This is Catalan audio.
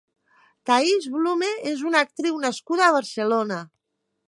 Thaïs Blume és una actriu nascuda a Barcelona.